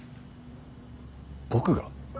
僕が？